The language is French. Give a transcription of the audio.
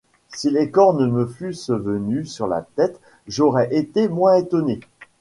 Si les cornes me fussent venues sur la tête, j'aurais été moins étonnée.